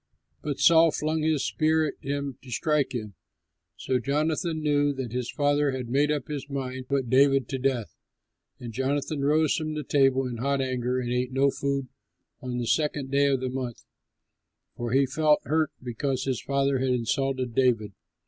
But Saul flung his spear at him to strike him. So Jonathan knew that his father had made up his mind to put David to death. And Jonathan rose from the table in hot anger and ate no food on the second day of the month, for he felt hurt because his father had insulted David.